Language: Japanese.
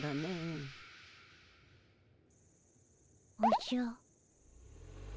おじゃ。